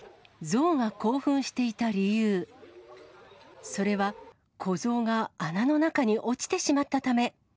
ゾウが興奮していた理由、それは、子ゾウが穴の中に落ちてしまったため。